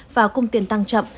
và công tiền tăng chậm